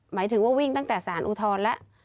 หมายถึงว่าวิ่งตั้งแต่สารอุทธรณ์แล้ว